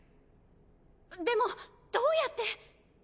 でもどうやって？